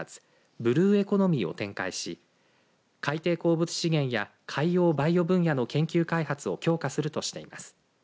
ブルーエコノミーを展開し海底鉱物資源や海洋バイオ分野の研究開発を強化するとしています。